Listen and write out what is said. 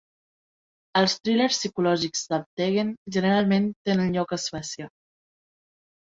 Els thrillers psicològics d'Alvtegen generalment tenen lloc a Suècia.